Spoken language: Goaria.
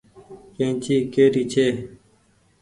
ڪيئنچي ڪي ري ڇي ۔